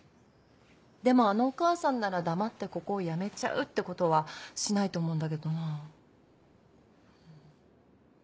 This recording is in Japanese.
でもあのお母さんなら黙ってここをやめちゃうってことはしないと思うんだけどな。